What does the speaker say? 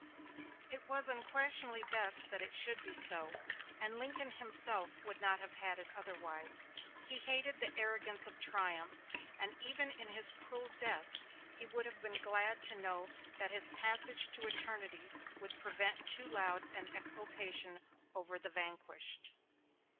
It was unquestionably best that it should be so; and Lincoln himself would not have had it otherwise. He hated the arrogance of triumph; and even in his cruel death he would have been glad to know that his passage to eternity would prevent too loud an exultation over the vanquished.